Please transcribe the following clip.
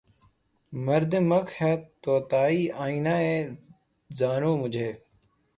مردمک ہے طوطئِ آئینۂ زانو مجھے